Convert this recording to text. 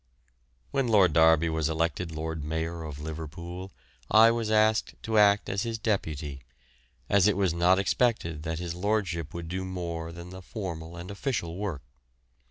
When Lord Derby was elected Lord Mayor of Liverpool I was asked to act as his deputy, as it was not expected that his lordship would do more than the formal and official work.